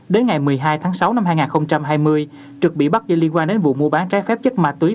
đến ngày một mươi hai tháng sáu năm hai nghìn hai mươi trực bị bắt do liên quan đến vụ mua bán trái phép chất ma túy